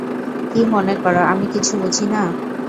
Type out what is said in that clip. কী মনে করো আমি কিছু বুঝি না?